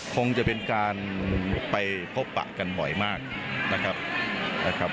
คงจะเป็นการไปพบปะกันบ่อยมากนะครับ